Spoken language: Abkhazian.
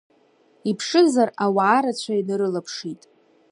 Иԥшызар, ауаарацәа инарылаԥшит.